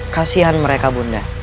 kasihan mereka bunda